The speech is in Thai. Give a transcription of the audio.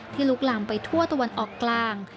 ลุกลามไปทั่วตะวันออกกลาง